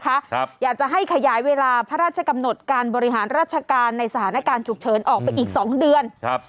ครับอยากจะให้ขยายเวลาพระราชกำหนดการบริหารราชการในสถานการณ์ฉุกเฉินออกไปอีกสองเดือนครับ